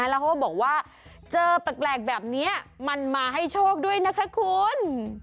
แล้วเขาก็บอกว่าเจอแปลกแบบนี้มันมาให้โชคด้วยนะคะคุณ